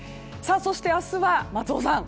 そして明日は松尾さん